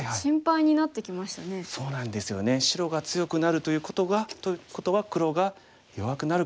白が強くなるということは黒が弱くなるかもしれません。